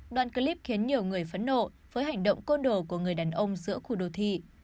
đoạn clip khiến nhiều người phẫn nộ với hành động côn đồ của người đàn ông giữa khu đô thị